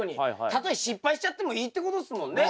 たとえ失敗しちゃってもいいってことですもんね？